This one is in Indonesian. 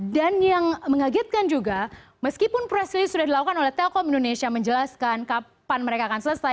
dan yang mengagetkan juga meskipun press release sudah dilakukan oleh telkom indonesia menjelaskan kapan mereka akan selesai